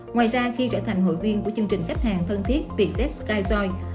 ngoài ra khi trở thành hội viên của chương trình khách hàng thân thiết vjet skyjoy